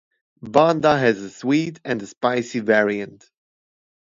Bonda has a sweet and a spicy variant.